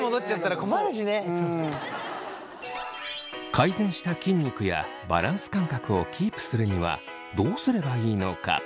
改善した筋肉やバランス感覚をキープするにはどうすればいいのか。